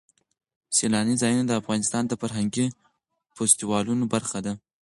سیلانی ځایونه د افغانستان د فرهنګي فستیوالونو برخه ده.